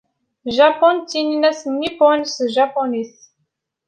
Japun ttinin-as Nippon s tjapunit.